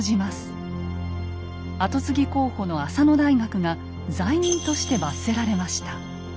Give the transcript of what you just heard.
跡継ぎ候補の浅野大学が罪人として罰せられました。